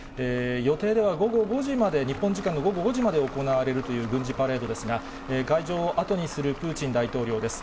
予定では午後５時まで、日本時間の午後５時まで行われるという軍事パレードですが、会場を後にするプーチン大統領です。